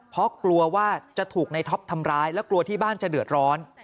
เพราะกลัวว่าจะถูกในท็อปทำร้ายและกลัวที่บ้านจะเดือดร้อน